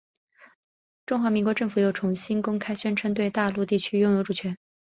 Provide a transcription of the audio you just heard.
中华民国政府又重新公开宣称对大陆地区拥有主权。